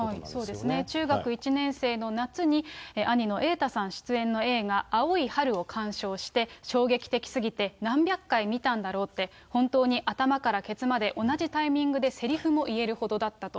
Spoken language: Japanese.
そうですね、中学１年生の夏に、兄の瑛太さん出演の映画、青い春を観賞して、衝撃的すぎて何百回見たんだろうって、本当に頭からケツまで、同じタイミングでセリフも言えるほどだったと。